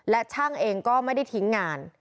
และช่างเองก็ไม่ได้ทิ้งงาน